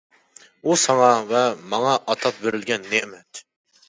ئۇ ساڭا ۋە ماڭا ئاتاپ بېرىلگەن نېمەت.